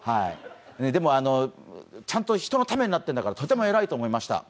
でも、ちゃんと人のためになってるんだからとても偉いと思いました！